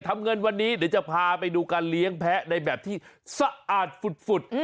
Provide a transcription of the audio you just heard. ทำเงินวันนี้เดี๋ยวจะพาไปดูการเลี้ยงแพ้ในแบบที่สะอาดฝุด